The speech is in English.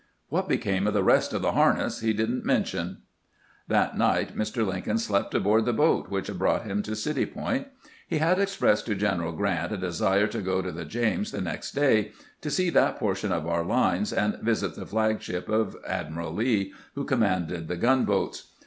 What became of the rest of the harness he did n't men tion." That night Mr. Lincoln slept aboard the boat which had brought him to City Point, He had expressed to Oeneral Grrant a desire to go up the James the next day, to see that portion of our lines and visit the flag ship of Admiral Lee, who commanded the gunboats.